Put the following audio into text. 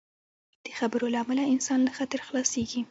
د خبرو له امله انسان له خطر خلاصېږي.